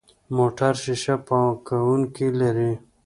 موټر شیشه پاکونکي لري.